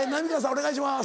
お願いします。